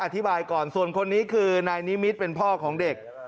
อธิบายก่อนส่วนคนนี้คือนายนิมิตรเป็นพ่อของเด็ก